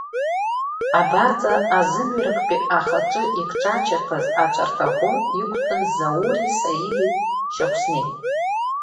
Абарҵа азымҩарактәи ахаҿы икҿачаԥаз ацәарҭаӷәы иқәтәан Заури, Саидеи, Шьахәснеи.